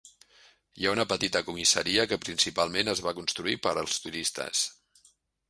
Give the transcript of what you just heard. Hi ha una petita comissaria que principalment es va construir per als turistes.